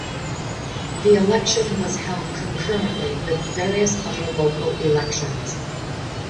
The election was held concurrently with various other local elections.